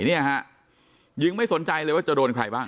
เนี่ยฮะยิงไม่สนใจเลยว่าจะโดนใครบ้าง